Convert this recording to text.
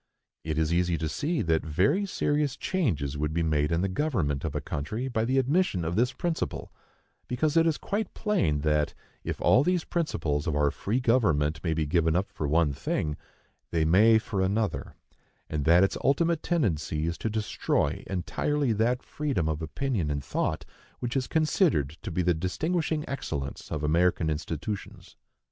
It is easy to see that very serious changes would be made in the government of a country by the admission of this principle: because it is quite plain that, if all these principles of our free government may be given up for one thing, they may for another, and that its ultimate tendency is to destroy entirely that freedom of opinion and thought which is considered to be the distinguishing excellence of American institutions.